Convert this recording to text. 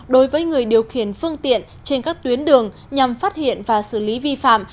đối với người điều khiển phương tiện trên các tuyến đường nhằm phát hiện và xử lý vi phạm